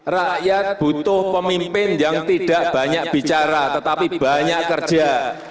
rakyat butuh pemimpin yang tidak banyak bicara tetapi banyak kerja